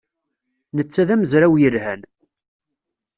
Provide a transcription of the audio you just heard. Netta d amezraw yelhan.